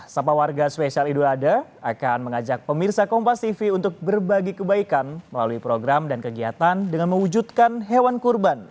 sapa warga spesial idul adha akan mengajak pemirsa kompas tv untuk berbagi kebaikan melalui program dan kegiatan dengan mewujudkan hewan kurban